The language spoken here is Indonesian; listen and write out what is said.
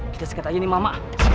kita sengketat aja nih mama